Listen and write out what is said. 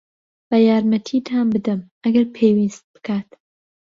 با یارمەتیتان بدەم، ئەگەر پێویست بکات.